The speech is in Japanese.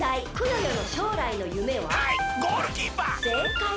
せいかい。